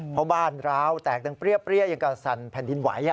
เพราะบ้านร้าวแตกดังเปรี้ยอย่างกับสั่นแผ่นดินไหว